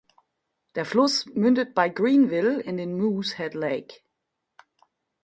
Der Fluss mündet bei Greenville in den Moosehead Lake.